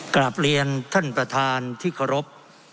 กลับเรียนท่านประธานที่เคารพ